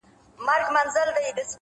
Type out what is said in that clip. پوه انسان له حقیقت نه تښتي نه؛